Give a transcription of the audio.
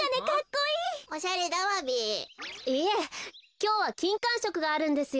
いえきょうはきんかんしょくがあるんですよ。